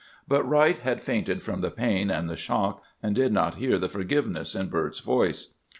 "But Wright had fainted from the pain and the shock, and did not hear the forgiveness in Bert's voice.